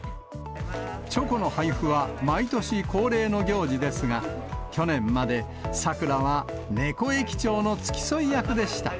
チョコの配布は毎年恒例の行事ですが、去年まで、さくらは猫駅長の付き添い役でした。